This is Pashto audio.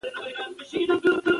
د عقل له پلوه له ښځې نه د سړي